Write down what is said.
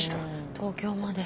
東京まで。